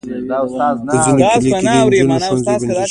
په ځینو کلیو کې د انجونو ښوونځي بندېږي.